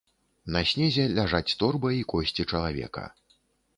На снезе ляжаць торба і косці чалавека.